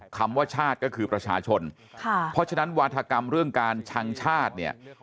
คำว่าชาติก็คือประชาชนค่ะเพราะฉะนั้นวาธกรรมเรื่องการชังชาติเนี่ย